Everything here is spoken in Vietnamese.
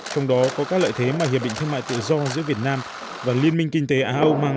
trong đó có các lợi thế mà hiệp định thương mại tự do giữa việt nam và liên minh kinh tế á âu mang